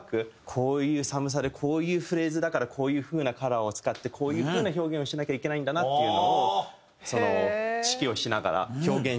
こういう寒さでこういうフレーズだからこういう風なカラーを使ってこういう風な表現をしなきゃいけないんだなっていうのを指揮をしながら表現しながらやるんです。